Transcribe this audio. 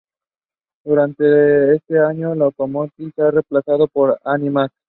Durante este año Locomotion es reemplazado por Animax.